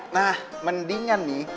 nah mendingan nih